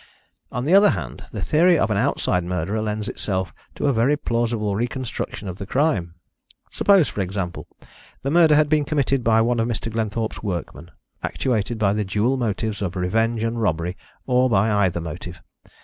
On the other hand, the theory of an outside murderer lends itself to a very plausible reconstruction of the crime. Suppose, for example, the murder had been committed by one of Mr. Glenthorpe's workmen, actuated by the dual motives of revenge and robbery, or by either motive.